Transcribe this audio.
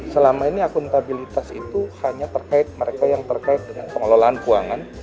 selama ini akuntabilitas itu hanya terkait mereka yang terkait dengan pengelolaan keuangan